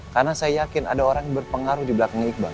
karena saya yakin ada orang yang berpengaruh di belakangnya iqbal